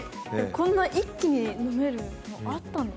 こんな一気に飲めるのあったんですね。